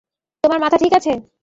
তোর মাথা ঠিক আছে?